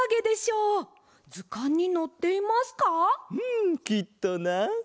うんきっとな。